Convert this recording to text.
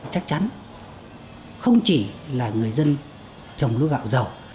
chắc chắn không chỉ là người dân trồng lúa gạo giàu